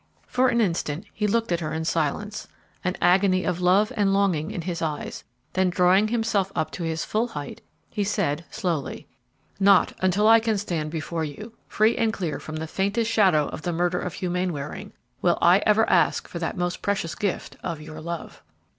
For an instant he looked at her in silence, an agony of love and longing in his eyes; then drawing himself up to his full height, he said, slowly, "Not until I can stand before you free and clear from the faintest shadow of the murder of Hugh Mainwaring, will I ever ask for that most precious gift of your love!"